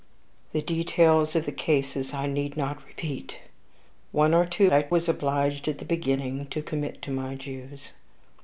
The details of the cases I need not repeat. One or two I was obliged, at the beginning, to commit to my Jews.